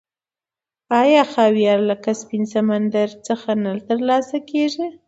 آیا خاویار له کسپین سمندر څخه نه ترلاسه کیږي؟